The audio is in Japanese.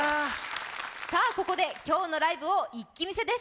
ここで、今日のライブを一気見せです。